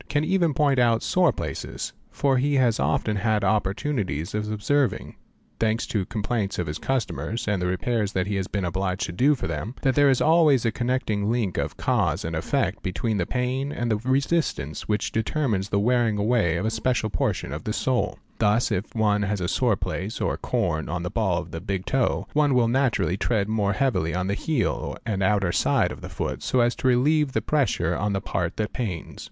can even point out sore places, for he has often had opportunities of observ Lb 5 ha Al hg he AN ing, thanks to the complaints of his customers and the repairs that he has been obliged to do for them, that there is always a connecting link of , cause and effect between the pain and the resistance, which determines ' the wearing away of a special portion of the sole. Thus if one has a sore | place or corn on the ball of the big toe, one will naturally tread more ' heavily on the heel and outer side of the foot so as to relieve the pressure on the part that pains.